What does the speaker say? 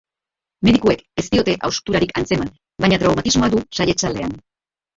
Medikuek ez diote hausturarik antzeman, baina traumatismoa du saihetsaldean.